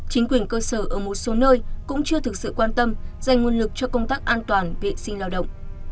chính quyền cơ sở ở một số nơi cũng chưa thực sự quan tâm dành nguồn lực cho công tác an toàn vệ sinh lao động